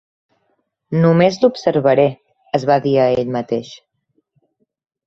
"Només l'observaré", es va dir a ell mateix.